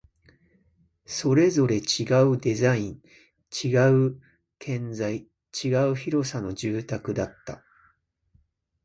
それぞれ違うデザイン、違う建材、違う広さの住宅だった